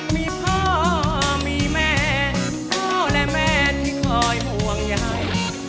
มีพ่อมีแม่พ่อและแม่ที่คอยห่วงใย